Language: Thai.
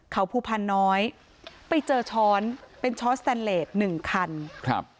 เขาภูพันน้อยไปเจอช้อนเป็นช้อนสแตนเลสหนึ่งคันครับ